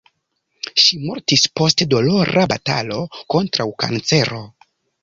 Ŝi mortis post dolora batalo kontraŭ kancero.